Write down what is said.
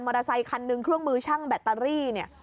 มอเตอร์ไซคันหนึ่งเครื่องมือชั่งแบตเตอรี่